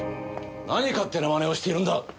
何勝手な真似をしているんだ！